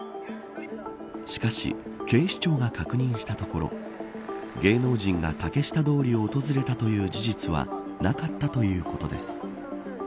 しかし、警視庁が確認したところ芸能人が竹下通りを訪れたという事実はなかったということです。